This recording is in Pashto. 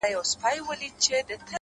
د تجربې ارزښت په عمل څرګندیږي.!